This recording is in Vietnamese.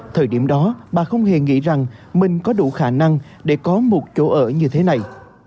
thời điểm đó bà không hề nghĩ rằng mình có đủ khả năng để có một chỗ ở như thế này